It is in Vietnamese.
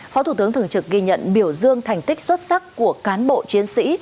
phó thủ tướng thường trực ghi nhận biểu dương thành tích xuất sắc của cán bộ chiến sĩ